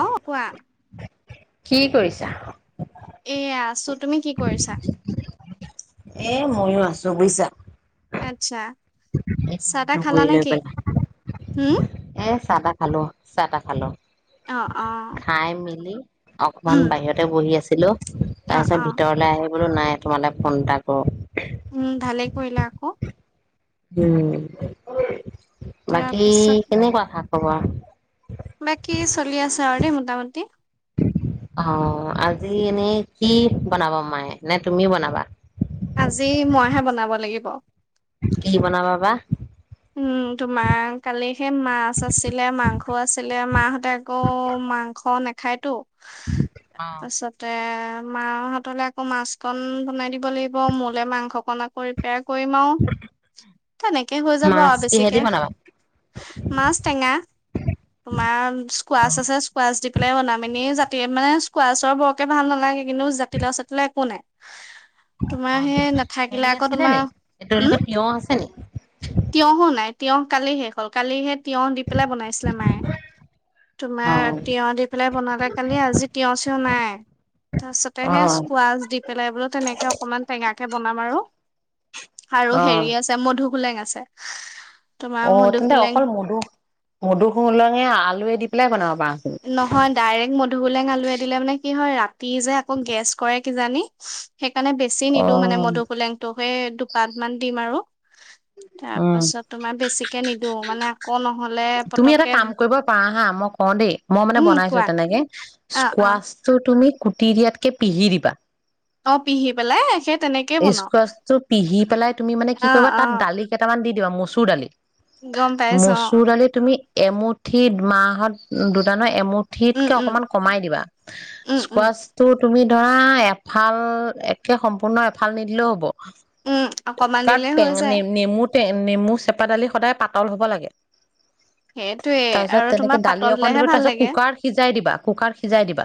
অ কোৱা। কি কৰিছা এয়া আছো। তুমি কি কৰিছা? মইয়ো আছোঁ বুইছা। এনঞ্চা কৰি লৈ উম পেলাই এ চাহ তাহ খালো চাহ তাহ খালো অ অ খাই মেলি অকমান উম বাহিৰতে বহি আছে। হেল্লৌ অ তাৰ পিছত অ ভিতৰলে আহি বোলো নাই তোমালে ফোন এটা কৰো। উম ভালেই কৰিলা আকৌ। উম তাৰ বাকী পাছত কেনেকুৱা খা খবৰ [unintelligible] বাকী [unintelligible] মোটামুটি অ আজি এনেই কি বনাব মায়ে নে তুমি বনাবা? আজি মইহে বনাব লাগিব। কি বনাবা বা। উম তোমাৰ কালি সেই মাছ আছিলে মাংস আছিলে মা হতে আকৌ মাংস নাখায়তো। তাৰ অ পাছতে মা হতলে আকৌ মাছ কন বনাই দি বনাব লাগিব মোলে মাংস কণ আকৌ ৰিপেয়াৰ কৰিম আও তেনেকে হৈ যা যাব মাছ আৰু কিহেদি বেছিকে বনাবা মাছ টেঙা অকমান অ স্কোৱাছ আছে স্কোৱাছ মাছ দি পেলাই বনাম এনে জাতি মানে [unintelligible] স্কোৱাছৰ বৰকে ভাল নালাগে কিন্তু জাতিলাও চাতিলাও একো নাই। তোমাৰ সেই [inaudible] নাথাকিলে হেৰি আকৌ আছিলে তোমাৰ নি [unintelligible] তেওঁ উম লগত তিয়হ আছে নি? তিয়হো নাই তিয়হ কালি শেষ হ'ল কালিহে তিয়হ দি পেলাই বনাইছিলে মায়ে। অ তোমাৰ তিয়হ দি পেলাই বনালে কালি আজি তিয়হ চিয়হ নাই অ তাৰছতেহে স্কোৱাছ দি পেলাই বোলো তেনেকে অকনমান টেঙা তে বনাম আৰু। আৰু অ হেৰি আছে মধু হোলেং আছে। তোমাৰ অ তেন্তে মধুসোলেং অকল মধু মধুহোলেঙে আলুৱে দি পেলাই বনাব পাৰি নহয় ডাইৰেক্ট মধুহোলেং আলুৱে দিলে মানে কি হয় ৰাতি যে আকৌ গেছ কৰে কিজানি? সেইকাৰণে বেছি নিদো মানে মধুহোলেংটো। [unintelligible] দুপাত মান দিম আৰু। উম, তাৰপাছত তোমাৰ বেছিকে নিদু মানে আকৌ নহ'লে তুমি এটা পতককে কাম কৰিব পাৰা হা মই কওঁ দেই মই মানে উম বনাইছো কোৱা। তেনেকে অ', অ', স্কোৱাছটো তুমি কুটি দিয়াতকে পিহি দিবা। অ', পিহি পেলাই সেই তেনেকেই বনাও স্কোৱাছটো পিহি পেলাই তুমি মানে কি অ', কৰিবা তাত অ', দালি কেইটামান দি কিয় মচুৰ দালি? গম পাইছোঁ আও। আমি এমুঠি মাহত দুটা নহয় এমু উম, ঠিতকে উম, অকমান কমাই দিবা উম, উম, স্কোৱাছটো তুমি ধৰা এফাল একে সম্পূৰ্ণ এফাল নিদিলেও হ'ব। উম, অকমান কাট দিলে টেং হৈ যায়। নেম-নেমুত এ নেমু চেপা দালি সদায় পাতল হ'ব লাগে। সেইটোয়ে তায়ছত আৰু তেনেকে তোমাৰ দালি পাতল অকন হ'লেহে দিবা ভাল তায়ছত লাগে। কুকাৰত সিজাই দিবা, কুকাৰত সিজাই দিবা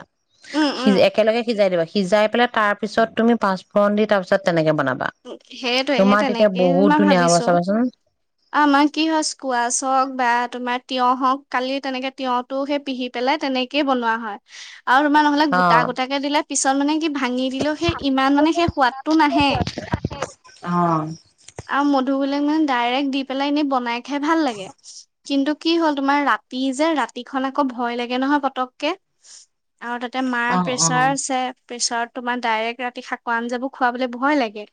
উম, সি উম, একেলগে সিজাই দিবা। সিজাই পেলাই তাৰ পিছত তুমি পাঁচফৰণ দি তাৰপিছত তেনেকে বনাবা উ, সেইটোয়ে সেই তোমাৰ তেতিয়া তেনেকেই বহুত মই ধুনীয়া হ'ব ভাবিছো। চাবাচোন আমাৰ কি হয় স্কোৱাছ হক বা ত‍‌োমাৰ তিয়ঁহ হওঁক, কালি তেনেকে তিয়ঁহতটো সেই পিহি পেলাই তেনেকেই বনোৱা হয়। আৰু তোমাৰ নহলে অ গোটা গোটাকে দিলে পিছল মানে কি ভাঙি দিলেও সেই ইমান মানে সেই সোৱাদটো নাহে। অ আও মধুহুলেংৰ ডাইৰেক্ট দি পেলাইনে বনাই হে ভাল লাগে। কিন্তু কি হ'ল তোমাৰ ৰাতি যে ৰাতিখন আকৌ ভয় লাগে নহয় পতককে। আৰু তাতে মাৰ অ অ প্ৰেচাৰ আছে। প্ৰেছাৰত তোমাৰ ডাইৰেক্ ৰাতি শাকৰ আঞ্জাবোৰ খুৱাবলৈ ভয় লাগে।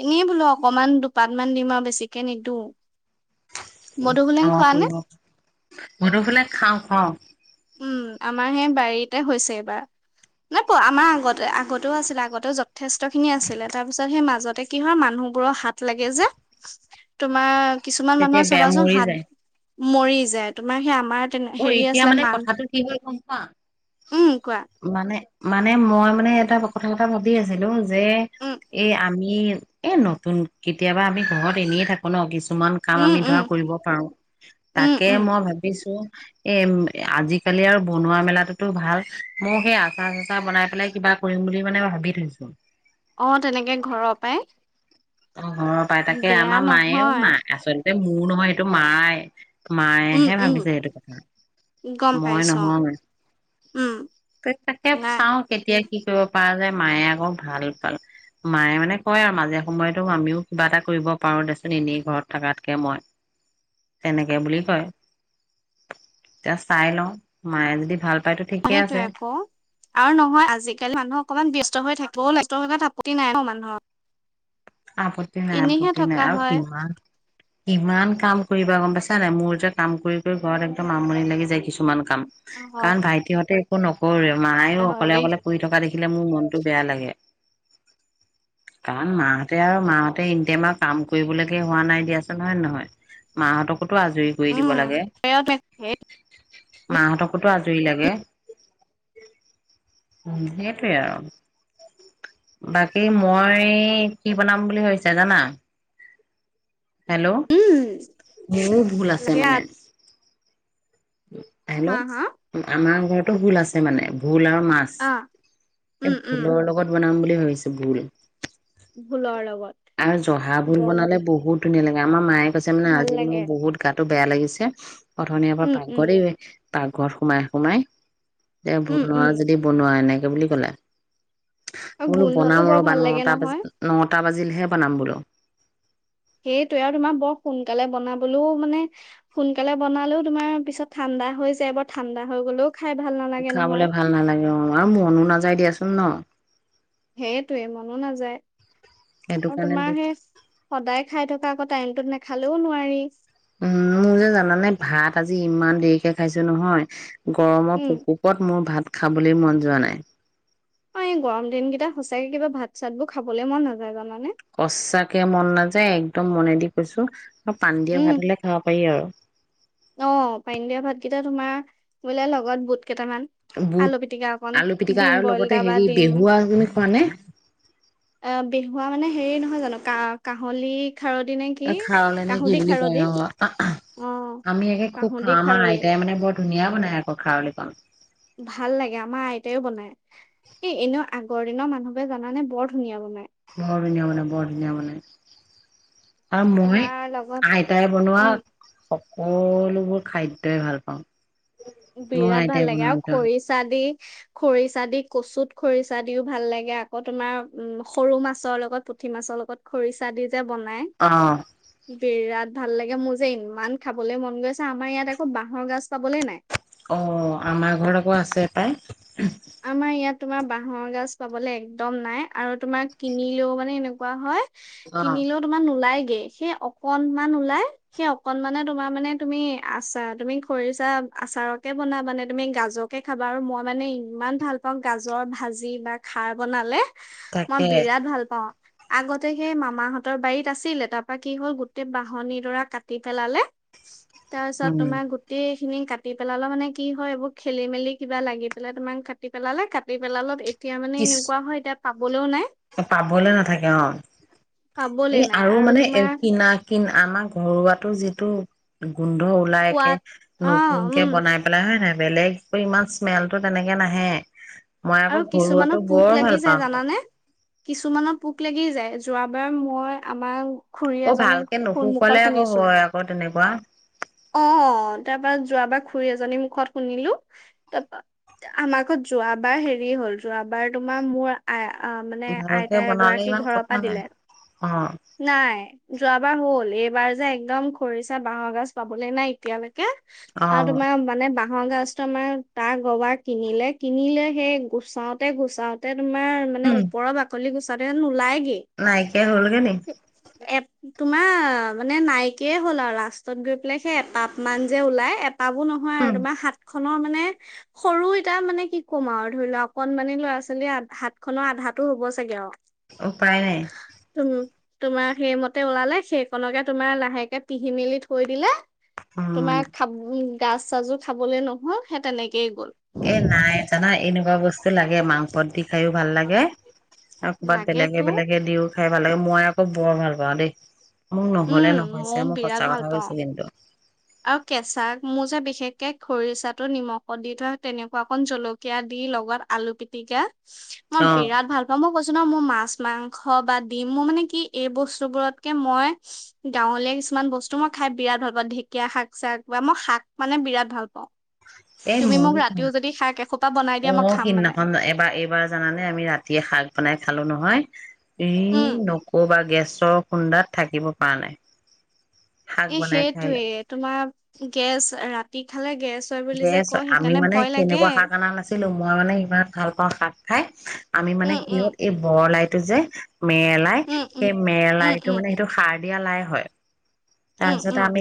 এনে বোলো অকমান দুপাত মান দিম আৰু বেছিকে নিদো। মধুসোলেং অ', খোৱা নে? কৰিব। মধুহুলেং খাওঁ খাও উম, আমাৰ সেই বাৰীতে হৈছে এইবাৰ। নে প আমাৰ আগতে আগতেও আছিলে আগতে যথেষ্ট খিনি আছিলে তাৰ ছত সেই মাজতে কি হয় মানুহবোৰৰ হাত লাগে যে, তোমাৰ কিছুমান তেতিয়া মানুহৰ বেয়া চবাচোন মৰি হাত যায় মৰি যায়, তোমাৰ সেই আমাৰ তেনে অ', হেৰি এতিয়া আছিলে মানে মান কথাটো কি হ'ল গম পোৱা? উম কোৱা মানে মানে মই মানে এটা কথা-কথা ভাবি আছিলো যে উম এই আমি ই, এ নতুন, কেতিয়াবা আমি ঘৰত এনে থাকো ন কিছু মান কাম উম আমি উম ধৰা কৰিব পাৰো। উম তাকে উম মই ভাবিছো এ, আজিকালি আৰু বনোৱা মেলাটোতো ভাল। মই সেই আচাৰ চাচাৰ বনাই পেলাই কিবা কৰিম বুলি মানে ভাবি থৈছো। অ', তেনেকে ঘৰ পাই। অ ঘৰৰ পৰাই তাকে আমাৰ মায়েও নহয় মা আচল মোৰ নহয় সেইটো মাই। উম মায়েহে উম ভাবিছে সেইটো কথা। গম মই পাইছো অ নহয়। উম তয় তাকে নাই চাও কেতিয়া কি কৰিব পাৰা যা‌য় মায়ে আকৌ ভাল পাল মায়ে মানে কয় আৰু মাজে কোম্পানী টোত আমিও কিবা এটা কৰিব পাৰো দেচোন এনেই ঘৰত থকাকে মই, এনেকে বুলি কয়, এতিয়া চাই লওঁ মায়ে যদি ভাল পায়তো ঠিকে আছে সেইটোয়ে আক আৰু নহয় আজিকালি মানুহ অকনমান ব্যস্ত হৈ থাকে ব'ল সেতু আপত্তি নাই ন মানুহৰ। আপত্তিনাই এনেইহে আপত্তিনাই থকা আৰু হয় কিমান ইমান কাম কৰিবা গম পাইছা নাই? মোৰ যে কাম কৰি কৰি ঘৰত একদম আমনি লাগি যায় কিছুমান। কাম হয় কাৰণ ভাইটিহঁতে একো নকৰে মায়ে হয় অকলে দেই। অকলে কৰি থকা দেখি খিলে মোৰ মনটো বেয়া লাগে। কাৰণ মাহঁতে আৰু মাহঁতে এনিতাইম আৰু কাম কৰিবলৈকে হোৱা নাই দিয়াচোন হয় নহয় নহয় মাহঁতক মোৰতো আজৰি কৰি দিব উম। লাগে। মাহতকোতো আজৰি লাগে উম, সেইটোৱে আৰু। বাকী মই কি বনাম বুলি ভাবিছা জানা? হেল্ল' উম মোৰো ভুল আছে লাগে মানে। হা হা হেল্ল' আমাৰ ঘৰত ভুল আছে মানে ভোল আৰু মাছ অ উম এই উম ভোলৰ লগত বনাম বুলি [unintelligible] ভোলৰ লগত আৰু জহা ভোল গম বনালে বহুত ধুনীয়া লাগে এ, আমাৰ মাএ কৈছে মানে ভাল আজি মোৰ লাগে বহুত গাটো বেয়া লাগিছে। অথনিৰেপৰা উম উম পাকঘৰেই। পাকঘৰত সোমাই সোমাই উম উম যদি বনোৱা এনেক [unintelligible] বুলি ক'লা? মই আৰু বোলো গোন্ধটো বনাম বৰ ৰবা ভাল লাগে নটা বাজি, নহয় নটা বাজি [unintelligible] বনাম বোলো। সেইটোোৱে আৰু তোমাৰ বৰ সোনকালে বনাবলৈও মানে সোনকালে বনালেও তোমাৰ পিছত ঠাণ্ডা হৈ যায় বৰ ঠাণ্ডা হৈ গলেও খাই ভাল নালাগে নহয়। খাবলে ভাল নালাগে অ', আৰু মনো নাযাই দিয়াচোন। [unintelligible] সেইটোৱে মনো নাযায়। সেইটো আৰু কাৰণে তোমাৰ দি সেই সদায় খাই থকা তাত আকৌ টাইমটোত নাখালেও নোৱাৰি। উম', মোৰ যে জানানে ভাত আজি ইমান দেৰিকে খাইছো নহয়। গৰমৰ উম ভোক-ভোকত মোৰ ভাত খাবলৈ মন যোৱা নাই। অ' এই গৰম দিন কেইটা সঁচাকে কিবা ভাত-চাত বোৰ খাবলৈ মন নাযায় জানানে। সচাকে মন নাযায় একদম মনে দি কৈছো। অ' পানদিয়া উম ভাত হ'লে খাব পাৰি আৰু। অ' পানীদিয়া ভাতকেইটা তোমাৰ বোলে, লগত বুট কেইটামান বুট আলু পিতিকা অকন, আলু পিটিকা দিম আৰু বইল, লগতে দা বা হেৰি দিম বেহুৱা তুমি খোৱা নে অ' বেহুৱা মানে, হেৰি নহয় জানো কা কাহলী, এ খাৰলে নে কি বুলি কয়? অ', অ আমি একে খুব কাহুদি খাও। আমাৰ খাৰলি আইতাই মানে ব ধুনীয়া বনাই আকৌ খাৰলী কন। ভাল লাগে আমাৰ আইতাইও বনাই এই এনেও আগৰ দিনৰ মানুহ বোৰে জানানে বৰ ধুনীয়া বনাই। বৰ ধুনীয়া মানে বৰ ধুনীয়া বনাই। আও মই, তোমাৰ লগত আইতাই বনোৱা উম সকলোবোৰ খাদ্যই ভাল পাওঁ। মোৰ বিৰাট আইতাই ভাল লাগে বনোৱাৰ আৰু ভিতৰত খৰিচা দি খৰিচা দি কচুত খৰিচা দিও ভাল লাগে আকৌ তোমাৰ উম' সৰু মাছৰ লগত পুঠি মাছৰ লগত খৰিচা দি যে বনাই, অ বিৰাত ভাল লাগে মোৰ যে ইমান খাবলৈ মন গৈ আছে আমাৰ ইয়াত আকৌ বাহৰ গাজ পাবলে নাই। অ', আমাৰ ঘৰত আকৌ আছে পায়। আমাৰ ইয়াত, তোমাৰ বাহৰ গাজ পাবলে একদম নাই আৰু তোমাৰ কিনিলেও মানে এনেকুৱা হয়। অ কিনিলেও তোমাৰ নোলাই। সেই অকনমান ওলাই সেই অকনমানানে তোমাৰ মানে তুমি আচাৰ, তুমি খৰিচা আচাৰকে বনাব মানে তুমি গাজকে খাবা। আৰু মই মানে ইমান ভাল পাওঁ, গাজৰ ভাজি বা খাৰ বনালে। মই তাকে বিৰাট ভাল পাওঁ। আগতে সেই মামাহঁতৰ বাৰীত আছিলে, তাৰ পৰা কি হল গোটেই বাহনিৰ দৰা কাটি পেলালে। তাৰপিছত উম তোমাৰ গোটেই খিনি কাটি পেলাল মানে কি হয় এইবোৰ খেলি মেলি কিবা লাগি পেলাই তোমাৰ কাটি পেলালে, কাটি পেলালত এতিয়া মানে কিছ এনেকুৱা হয় এতিয়া পাবলৈও নাই। পাবলে নাথাকে অ, পাবলে এই নাই আৰু মানে তোমাৰ কিনা কিনা আমাৰ ঘৰুৱাটো যিটো গোন্ধ ওলাইকে সোৱাদ নতুন অ', কে উম, বনাই পেলাই হয় নাই বেলেগ ইমান স্মেলটো তেনেকে নাহে। মই আৰু আকৌ ঘৰুৱাটো পোক বৰ লাগি ভাল যায় পাওঁ আকৌ। জানানে? কিছুমানত পোক লাগি যায় যোৱাবাৰ মই আমাৰ খুৰী অ' এজনীক ভালকে মুখত নুশুকালে আকৌ শুনিছো হয় আকৌ তেনেকুৱা। তাৰ পৰা যোৱাবাৰ খুৰী এজনীৰ মুখত শুনিলো তা পা আমাৰ ঘত যোৱাবাৰ হেৰি হৰি হ'ল যোৱাবাৰ তোমাৰ মোৰ আ অ' মানে ভালকে আইতাই বনালে এগৰাকীক ইমান ঘৰৰ কথা পৰা নাই। দিলে অ' নাই যোৱাবাৰ হ'ল এইবাৰ যে একদম খৰিচা বাঁহৰ গাজ পাবলৈ নাই এতিয়ালে। কো আৰু অ' তোমাৰ মানে বা বাঁহৰ গছ তমাৰ তাৰ গবাৰ কিনিলে, কিনিলে সেই গুচাওঁতে, গুচাওঁতে তোমাৰ মানে উম, ওপৰৰ বাকলি গুছ নুলাই নাইকিয়া হ'লগে নি এপ তোমাৰ মানে নাইকিয়ে হ'ল আৰু লাষ্টত গৈ পেলাই সেই এপাপ মান যে ওলাই এপ পাবো নহয় উম, আৰু তোমাৰ হাত ন মানে সৰু এটা মানে কি ক'ম আৰু ধৰি লোৱা অকনমানি ল'ৰা ছোৱালী হাত হাত খনৰ আধাতো হ'ব চাগে আৰু। উপায় নাই। তুম তোমাৰ সেইমতে ওলালে সেইকনকে তোমাৰ লাহেকে তিহি মেলি থৈ দিলে উম, তোমাৰ খাব উ গাজ চাজো খাবলৈ নহ'ল সেই তেনেকয়ে গ'ল। এ নাই জানা এনেকুৱা বস্তু লাগে মাংসত দি খাইয়ো ভাল লাগে। আৰু ক'বাত লাগে বেলেগে তো বেলেগে দিও খাই ভাল লাগে মই আকৌ বৰ ভাল পাওঁ দেই। মোৰ নহলে উম নহৈছে মইও মোক বিৰাট সঁচা ভাল কথা পাওঁ কৈছে কিন্তু। আৰু কেঁচা মোৰ যে বিশেষকে খৰিচাটো নিমখত দি থোৱা তেনেকুৱা অকণ জলকীয়া দি লগত আলু পিতিকা অ মই বিৰাট ভাল পাও মই কৈছো ন মোৰ মাছ মাংস বা ডিমো মানে কি এই বস্তু বোৰতকে মই গাঁৱলীয়া কিছুমান বস্তু মই খাই বিৰাট ভাল পাওঁ ধেক ুকীয়া শাক চাক বা মই শাক মানে বিৰাট ভাল পাওঁ। এ তুমি মোক ময়ো ৰাতিও যদি শাক এসোপা বনাই দিয়া মই খাম মানে অ'সিদিনাখন এবাৰ এইবাৰ জানানে আমি ৰাতিয়ে শাক বনাই খালো নহয়। এই উম নকবা গেছৰ খুন্দাত থাকিব পাৰা নাই। শাক এ ', বনাই খাই সেইটোৱে তোমাৰ গেছ ৰা কি খালে গেছ হয় বুলি যে গেছ কয় আমি সেইকাৰণে মানে ভয় লাগে তেনেকুৱা শাক অনা নাছিলো মই মানে ইমান ভাল পাওঁ শাক খাই আমি মানে উম কি উম হ'ল এই বৰলাই টো যে মেৰেলাই উম উম সেই উম মেৰেলাইটো উম মানে সেইটো সাৰ দিয়া লাই হয় উম তাৰপিছত উম আমি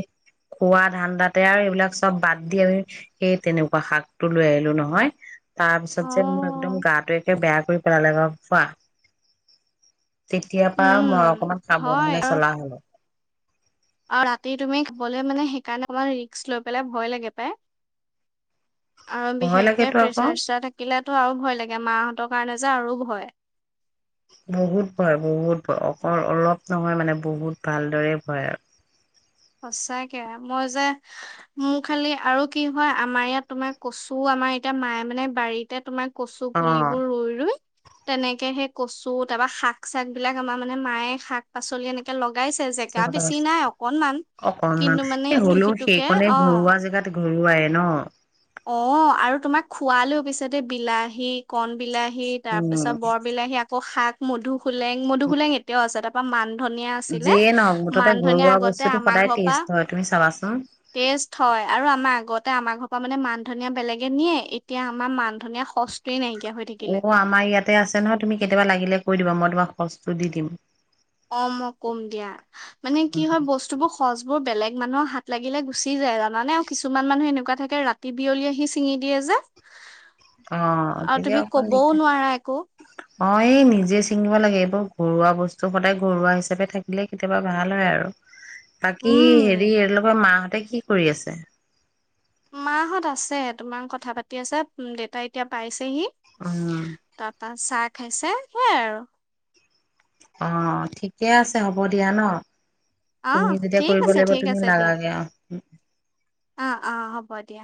খোৱা ধান্দাতে আৰু এইবিলাক চব বাদ দি আমি সেই তেনেকুৱা শাকটো লৈ আহিলো নহয় তাৰপিছত যে মোৰ একদম অ', গাটো একে বেয়া কৰি পেলালা বাৰু তেতিয়া পৰা উম, মই অকমান হয় সাৱধানে আৰু চলা হ'লো আৰু ৰাতি তুমি খাবলৈ মানে সেইকাৰণে মানে ৰিক্স লৈ পেলাই ভয় লাগে পায় আৰু ভয় বিশেষকে লাগেতো আকৌ প্ৰেচাৰ-চেচাৰ থাকিলে মোক ত আৰু ভয় লাগে মাহঁতৰ কাৰণে যে আৰু ভয় বহুত ভয় বহুত ভয় অকল অলপ নহয় মানে বহুত ভালদৰেই ভয় আৰু সঁচাকে মই যে মোৰ খালি আৰু কি হয় আমাৰ ইয়াত তোমাৰ কচু আমাৰ এতিয়া মায়ে মানে বাৰীতে তোমাক কচু অ পুলিবোৰ ৰুই ৰুই তেনেকে সেই কচু তাৰ পা শাক-চাক বিলাক আমাৰ মানে মায়ে শাক-পাচলি এনেকে লগ লগাইছে জেগা বেছি নাই অকণমান অকণমান এ হ'লেও সেইকণে অ', ঘৰুৱা জেগাত ঘৰুৱায়ে ন' অ' আৰু তোমাক খোৱালেও পিছে দে বিলাহী, কণ বিলাহী হি তাৰ পিছত উম বৰ বিলাহী আকৌ শাক মধু সোলেং মধুসোলেং এতিয়াও আছে তাত মানধনিয়া ধনিয়া আছিলে যিয়ে নহওক মুঠতে মানধনিয়া ঘৰুৱা আগতে বস্তুটো আমাৰ সদায় ঘৰৰ পৰা টেষ্ট হয় তুমি চাবাচোন ষ্টেট হয় আৰু আমাৰ আগতে তে আমাৰ ঘৰ মানে মানধনিয়া বেলেগে নিয়ে এতিয়া আমাৰ মান ধনিয় শচটিয়ে নাই অ', আমাৰ ইয়াতে আছে নহয় তুমি কেতিয়াবা লাগিলে কৈ দিবা মই তোমাক শচটো দি দিম অ', মই ক'ম দিয়া মানে কি হয় বস্তু বোৰ শজ বোৰ বেলেগ মানুহৰ হাত লাগিলে গুচি যায় জানানে আৰু কিছুমান মানুহ এনেকুৱা থাকে ৰাতি বিয়লি আহি ছিঙি দিয়ে যে অ' আৰু তেতিয়া তুমি অকমান ক'বও দিগদাৰ। নোৱাৰা একো অ, এই নিজে ছিঙিব লাগে এইবোৰ ঘৰুৱা বস্তু সদায় ঘৰুৱা হিচাপে থাকিলে কেতিয়াবা ভাল হয় আৰু। তাকেই উম। হেৰি এইলোকৰ মাহ তাই কি কৰি আছে? মাহত আছে, তোমাৰ কথা পাতি আছে, উম দেউতা এতিয়া পাইছ- পিহি উম। তাৰ পৰা চা খাইছে, সেইয়াই আৰু। অ, ঠিকে আছে হ'ব দিয়া ন। অ, তুমি যেতিয়া ঠিক কৰিব আছে লাগিব ঠিক তুমি আছে দিয়া লাগাগে অ'। অ, অ, হ'ব- দিয়া